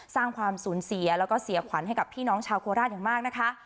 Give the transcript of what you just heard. สร้างความสูญเสียแล้วก็เสียขวัญให้กับพี่น้องชาวโคราชอย่างมากนะคะ